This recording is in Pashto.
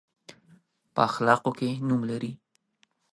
په اخلاقو کې نوم لري.